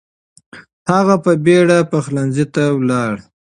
هغه په بیړه پخلنځي ته لاړ.